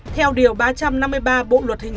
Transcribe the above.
theo điều ba trăm năm mươi ba bộ luật hình sự